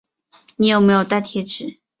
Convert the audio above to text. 你有没有带贴纸